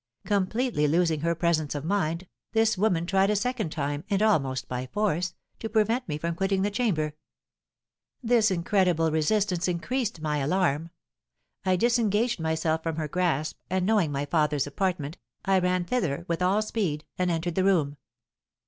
Completely losing her presence of mind, this woman tried a second time, and almost by force, to prevent me from quitting the chamber. This incredible resistance increased my alarm, I disengaged myself from her grasp, and, knowing my father's apartment, I ran thither with all speed, and entered the room.